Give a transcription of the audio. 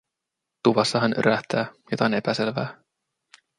Tuvassa hän örähtää, jotain epäselvää.